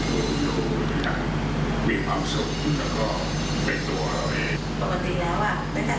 ก็ดูแลของอาหารเหมือนเดิมทำงานเหมือนเดิม